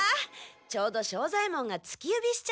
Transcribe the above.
ちょうど庄左ヱ門がつき指しちゃって。